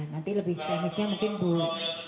nanti lebih kremesnya mungkin bulu